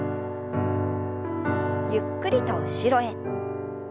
ゆっくりと後ろへ。